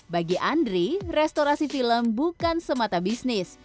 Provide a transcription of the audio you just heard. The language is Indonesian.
bagi andri restorasi film bukan semata bisnis